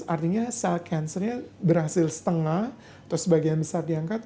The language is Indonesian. artinya sel cancernya berhasil setengah atau sebagian besar diangkat